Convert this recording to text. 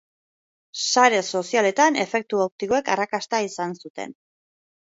Sare sozialetan efektu optikoek arrakasta izan zuten.